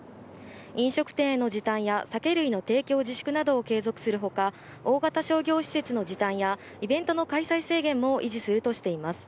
飲食店への時短や酒類の提供自粛などを継続するほか、大型商業施設の時短やイベントの開催制限も維持するとしています。